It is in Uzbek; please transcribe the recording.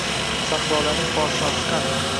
Sahrolarning podshosi qani?